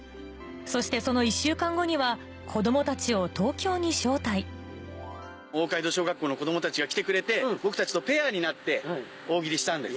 そしてその１週間後には子供たちを東京に招待大街道小学校の子供たちが来てくれて僕たちとペアになって「大喜利」したんです。